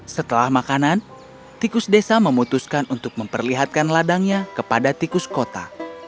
setelah makanan tikus desa memutuskan untuk memperlihatkan ladangnya kepada tikus kota